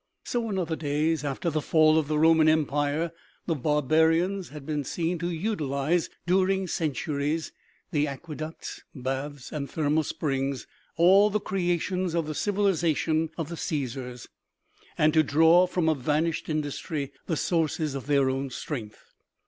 So in other days, after the fall of the Roman empire, the barbarians had been seen to utilize during centuries the aqueducts, baths and thermal springs, all the creations of the civilization of the Caesars, and to draw from a vanished industry the sources of their own strength.